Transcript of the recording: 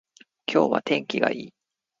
今日は天気がいい